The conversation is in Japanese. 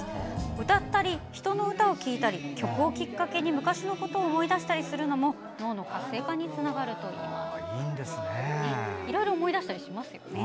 歌ったり、人の歌を聴いたり曲をきっかけに昔のことを思い出したりするのも脳の活性化にもつながるといいます。